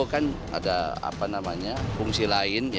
pak prabowo kan ada fungsi lain